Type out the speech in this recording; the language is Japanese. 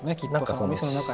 そのお店の中に。